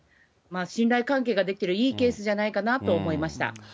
信頼関係ができてるいいケースじゃないかなと思いました。